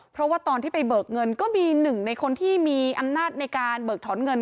เพราะว่าตอนที่ไปเบิกเงินก็มีหนึ่งในคนที่มีอำนาจในการเบิกถอนเงิน